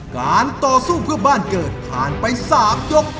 การต่อสู้เพื่อบ้านเกิดผ่านไป๓ยก